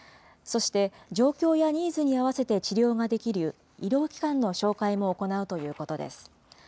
そして状況やニーズに合わせて治療ができる医療機関の紹介も行うということです。